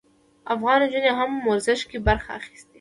افغان نجونو هم په ورزش کې برخه اخیستې.